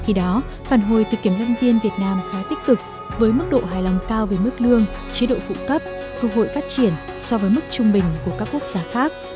khi đó phản hồi từ kiểm lâm viên việt nam khá tích cực với mức độ hài lòng cao về mức lương chế độ phụ cấp thu hội phát triển so với mức trung bình của các quốc gia khác